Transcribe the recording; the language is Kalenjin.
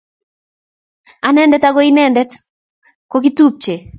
Anee ako inendet ko kikitupche.